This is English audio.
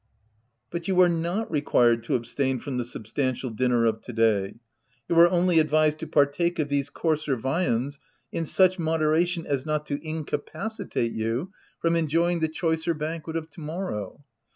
" But you are not required to abstain from the substantial dinner of to day ; you are only advised to partake of these coarser viands in such moderation as not to incapacitate you from OF WILDFELL HALL. 77 enjoying the choicer banquet of to morrow.